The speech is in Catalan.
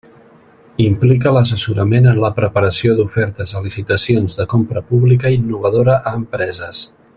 Implica l'assessorament en la preparació d'ofertes a licitacions de Compra Pública Innovadora a empreses.